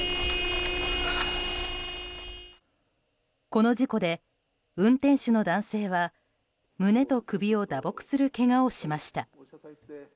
この事故で、運転手の男性は胸と首を打撲するけがをしました。